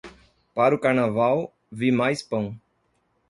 Para o Carnaval, vi mais pão.